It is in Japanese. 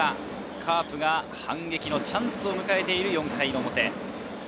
カープが反撃のチャンスを迎えている４回表。